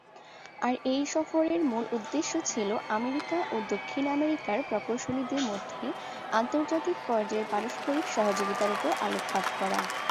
আর এ সফরের মূল উদ্দেশ্য ছিলো আমেরিকা ও দক্ষিণ আমেরিকার প্রকৌশলীদের মধ্য আন্তর্জাতিক পর্যায়ে পারস্পরিক সহযোগিতার উপর আলোকপাত করা।